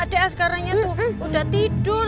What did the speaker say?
ada sekarangnya tuh udah tidur